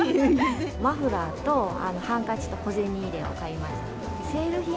マフラーとハンカチと小銭入れを買いました。